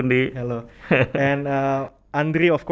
andri adalah ayah yang sangat sayang